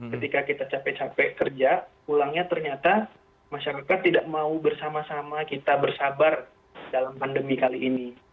ketika kita capek capek kerja pulangnya ternyata masyarakat tidak mau bersama sama kita bersabar dalam pandemi kali ini